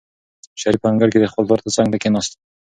شریف په انګړ کې د خپل پلار څنګ ته کېناست.